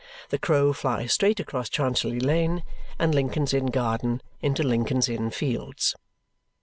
The crow flies straight across Chancery Lane and Lincoln's Inn Garden into Lincoln's Inn Fields.